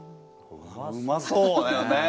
うまそうだよね。